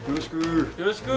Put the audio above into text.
よろしく。